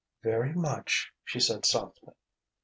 "Very much," she said softly.